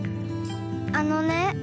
あのね。